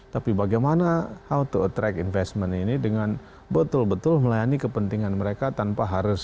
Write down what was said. tapi bagaimana how to attract investment ini dengan betul betul melayani kepentingan mereka tanpa harus